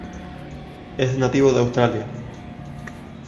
Es nativo de Australia.